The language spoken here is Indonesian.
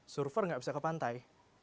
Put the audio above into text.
surfer nggak bisa ke pantai